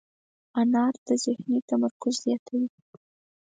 انار د ذهني تمرکز زیاتوي.